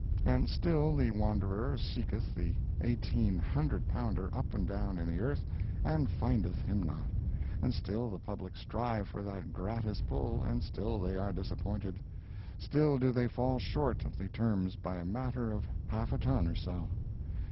And still the wanderer seeketh the eighteen hundred pounder up and down in the earth, and findeth him not; and still the public strive for that gratis pull, and still they are disappointed—still do they fall short of the terms by a matter of half a ton or so.